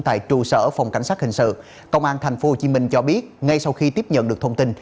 tại trụ sở phòng cảnh sát hình sự công an tp hcm cho biết ngay sau khi tiếp nhận được thông tin